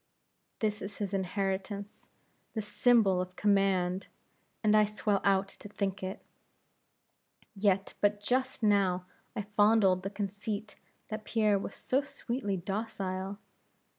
"This is his inheritance this symbol of command! and I swell out to think it. Yet but just now I fondled the conceit that Pierre was so sweetly docile!